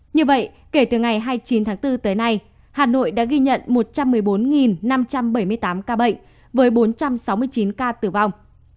như vậy kể từ ngày hai mươi chín tháng bốn tới nay hà nội đã ghi nhận một trăm một mươi bốn năm trăm bảy mươi tám ca bệnh với bốn trăm sáu mươi chín ca tử vong